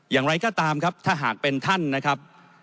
อย่างไรก็ตามครับถ้าหากเป็นท่านนะครับ